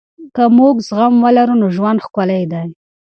که موږ زغم ولرو نو ژوند ښکلی دی.